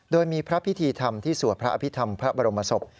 โดยมีพระพิธีธรรมที่สวดพระอภิษฐรรมพระบรมศพ